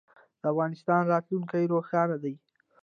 د افغانستان راتلونکی روښانه دی.